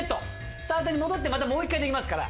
スタートに戻ってもう一回できますから。